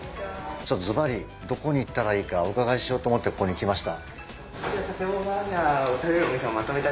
ズバリどこに行ったらいいかお伺いしようと思ってここに来ました。